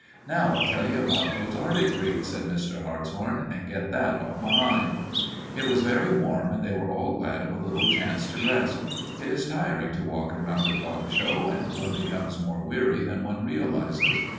"Now I'll tell you about those Arctic breeds," said Mr. Hartshorn, "and get that off my mind." It was very warm, and they were all glad of a little chance to rest. It is tiring to walk around a dog show and one becomes more weary than one realizes.